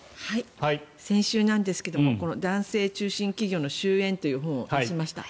先週なんですが「男性中心企業の終焉」という本を出しました。